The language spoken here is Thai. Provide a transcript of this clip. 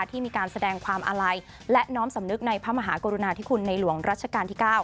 ที่มีการแสดงความอาลัยและน้อมสำนึกในพระมหากรุณาธิคุณในหลวงรัชกาลที่๙